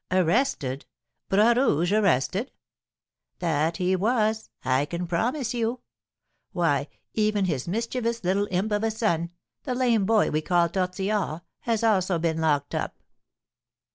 "Arrested! Bras Rouge arrested?" "That he was, I can promise you. Why, even his mischievous little imp of a son the lame boy we call Tortillard has also been locked up.